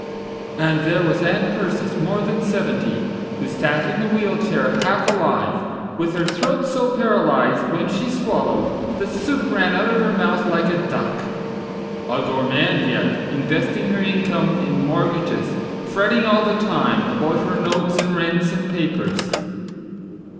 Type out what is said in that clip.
And there was Aunt Persis more than seventy Who sat in a wheel chair half alive With her throat so paralyzed, when she swallowed The soup ran out of her mouth like a duck— A gourmand yet, investing her income In mortgages, fretting all the time About her notes and rents and papers.